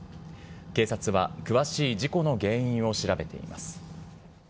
警察は、詳しい事故の原因を調べています。